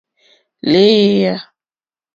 Lééyà.